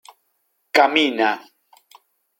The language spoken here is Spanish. camina